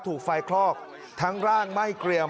ถูกไฟคลอกทั้งร่างไหม้เกรียม